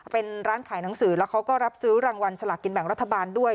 เป็นร้านขายหนังสือแล้วเขาก็รับซื้อรางวัลสลากินแบ่งรัฐบาลด้วย